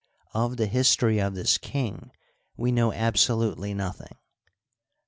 Of the history of this king we know absolutely nothing.